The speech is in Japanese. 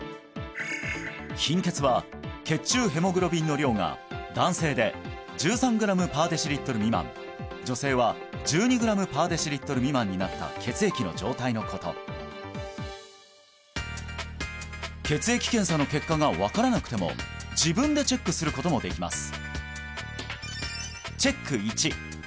貧血は血中ヘモグロビンの量が男性で１３ｇ／ｄＬ未満女性は１２ｇ／ｄＬ未満になった血液の状態のこと血液検査の結果が分からなくても自分でチェックすることもできます